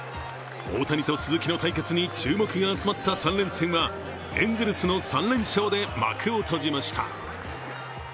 大谷と鈴木の対決に注目が集まった３連戦はエンゼルスの３連勝で幕を閉じました。